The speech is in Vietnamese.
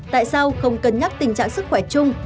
tại sao không cân nhắc tình trạng sức khỏe chung